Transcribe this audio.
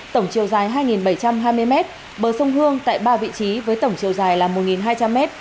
tổng chiều dài hai bảy trăm hai mươi m bờ sông hương tại ba vị trí với tổng chiều dài là một hai trăm linh m